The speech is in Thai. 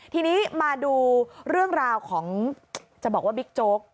ทีนี้มาดูเรื่องราวของจะบอกว่าบิ๊กโจ๊ก